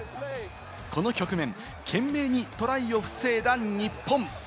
この局面、懸命にトライを防いだ日本。